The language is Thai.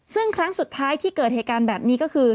ซึ่งครั้งสุดท้ายที่เกิดเหตุการณ์แบบนี้ก็คือ